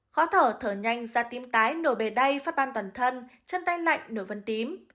khó thở thở nhanh da tím tái nổ bề tay phát ban toàn thân chân tay lạnh nổi vân tím